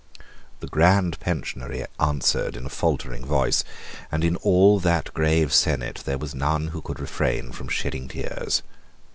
The Grand Pensionary answered in a faltering voice; and in all that grave senate there was none who could refrain from shedding tears.